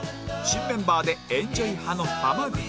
新メンバーでエンジョイ派の濱口